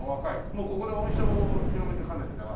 もうここでお店を広げてかなり長い？